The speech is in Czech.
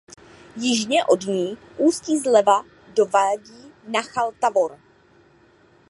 Jižně od ní ústí zleva do vádí Nachal Tavor.